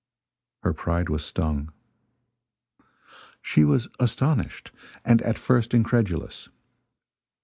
Her pride was stung. She was astonished, and at first incredulous.